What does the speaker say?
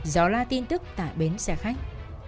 gió la tin tức tại bến xe khách